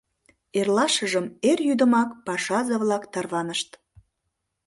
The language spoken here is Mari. Эрлашыжым эр йӱдымак пашазе-влак тарванышт.